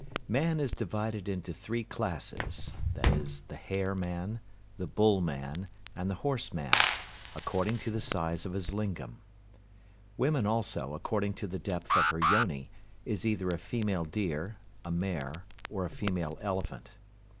Kinds of Union. Man is divided into three classes, viz., the hare man, the bull man, and the horse man, according to the size of his lingam. Woman also, according to the depth of her yoni, is either a female deer, a mare, or a female elephant.